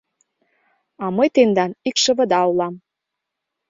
— А мый тендан икшывыда улам!